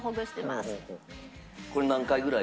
これ何回ぐらい？